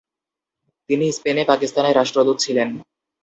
তিনি স্পেনে পাকিস্তানের রাষ্ট্রদূত ছিলেন।